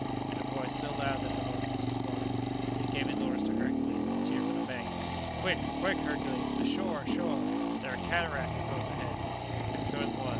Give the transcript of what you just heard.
In a voice so loud that it awoke Mrs. Weldon, Dick gave his order to Hercules to steer for the bank: "Quick, quick, Hercules! ashore! ashore! there are cataracts close ahead!" And so it was.